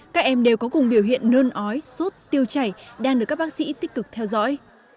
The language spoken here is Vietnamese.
các em đều có cùng biểu hiện nơn ói sốt tiêu chảy đang được các bác sĩ tích cực theo dõi